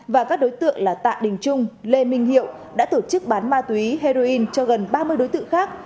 và các đối tượng là tạ đình trung lê minh hiệu đã tổ chức bán ma túy heroin cho gần ba mươi đối tượng khác